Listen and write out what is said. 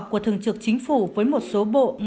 chúng tôi đối xử